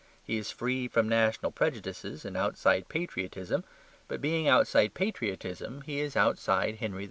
He is free from national prejudices and outside patriotism. But being outside patriotism he is outside "Henry V."